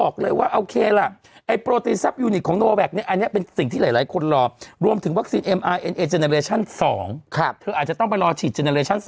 คือต่อไปนี้ถ้าสมมุติคุณจะเก็บเงินน่ะ